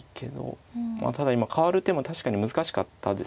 ただ今かわる手も確かに難しかったですね。